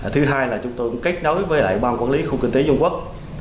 thứ hai là chúng tôi cũng kết nối với lại ban quản lý khu kinh tế dung quốc